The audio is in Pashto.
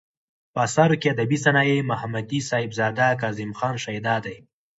په اثارو کې ادبي صنايع ، محمدي صاحبزداه ،کاظم خان شېدا دى.